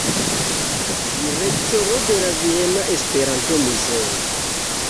Direktoro de la viena Esperanto-muzeo.